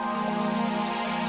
tidak tar aku mau ke rumah